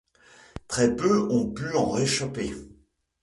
Très peu ont pu en réchapper.